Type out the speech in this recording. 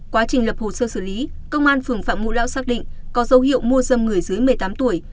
quá trình lập hồ sơ xử lý công an phường phạm ngũ lão xác định có dấu hiệu mua dâm người dưới một mươi tám tuổi